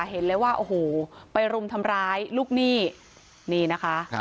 เห็นเลยว่าโอ้โหไปรุมทำร้ายลูกหนี้นี่นะคะ